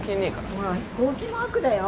ほら飛行機マークだよ。